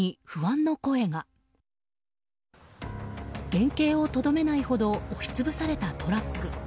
原形をとどめないほど押し潰されたトラック。